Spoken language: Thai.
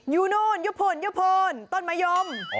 อยู่โน่นต้นมะยม